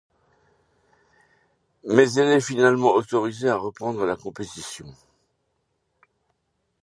Mais elle est finalement autorisée à reprendre la compétition.